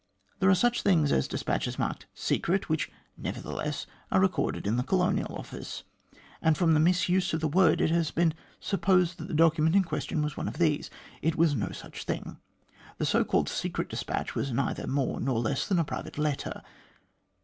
There are such things as despatches marked { secret,' which, nevertheless, are recorded in the Colonial Office ; and from the misuse of the word, it has been supposed that the document in question was one of these. It was no such thing. The so called ' secret despatch ' was neither more nor less than a private letter